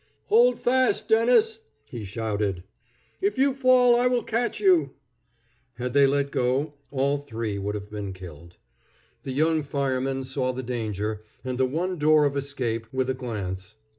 "Hold fast, Dennis!" he shouted. "If you fall I will catch you." Had they let go, all three would have been killed. The young fireman saw the danger, and the one door of escape, with a glance.